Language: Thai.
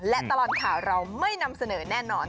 และตลอดข่าวเราไม่นำเสนอแน่นอน